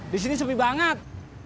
di sini sepi banget